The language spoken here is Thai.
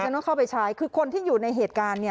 ต้องเข้าไปใช้คือคนที่อยู่ในเหตุการณ์เนี่ย